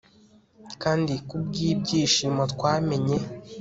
kandi kubwibyishimo twamenye